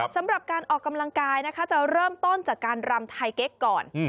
สำหรับการออกกำลังกายนะคะจะเริ่มต้นจากการรำไทยเก๊กก่อน